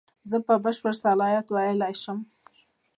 زه په بشپړ صلاحیت ویلای شم.